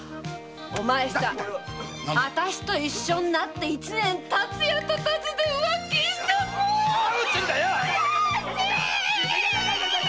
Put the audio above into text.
お前さん私と一緒になって１年たつやたたずで浮気して悔しい！